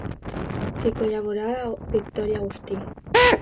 Hi col·laborà Victorí Agustí.